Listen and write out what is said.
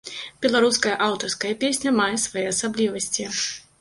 Беларуская аўтарская песня мае свае асаблівасці.